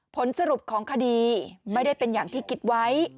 ผลสรุปของคดีไม่ได้เป็นอย่างที่คิดไว้